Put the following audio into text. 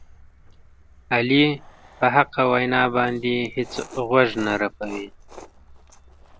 علي په حقه وینا باندې هېڅ غوږ نه رپوي.